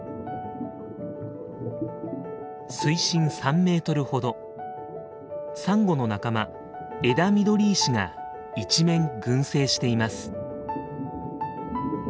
水深３メートルほどサンゴの仲間エダミドリイシが一面群生しています。